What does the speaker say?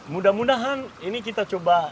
mudah mudahan ini kita coba